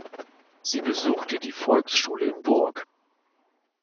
Sie besuchte die Volksschule in Burg.